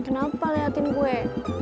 kenapa liatin gue